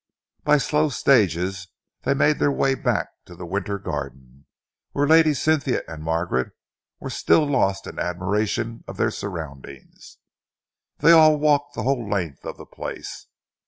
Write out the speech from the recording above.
By slow stages they made their way back to the winter garden, where Lady Cynthia and Margaret were still lost in admiration of their surroundings. They all walked the whole length of the place.